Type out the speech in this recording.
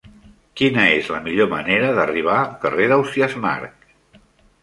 Quina és la millor manera d'arribar al carrer d'Ausiàs Marc?